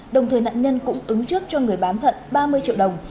đồng thời nạn nhân cũng ứng trước cho người bán thận ba mươi triệu đồng